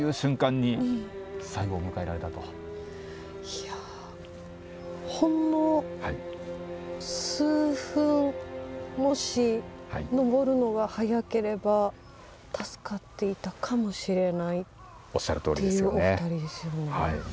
いやほんの数分もし上るのが早ければ助かっていたかもしれないっていうお二人ですよね。